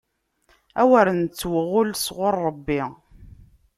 Awer nettwaɣull sɣuṛ Ṛebbi!